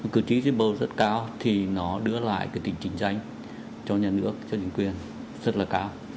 cử tri di bầu rất cao thì nó đưa lại tình trình danh cho nhà nước cho chính quyền rất là cao